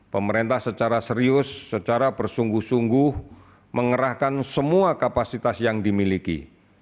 pemerintah secara serius secara bersungguh sungguh mengerahkan semua kapasitas yang dimiliki